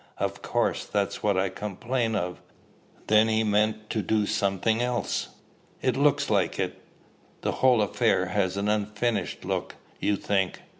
"Of course. That's what I complain of." "Then he meant to do something else?" "It looks like it." "The whole affair has an unfinished look, you think?"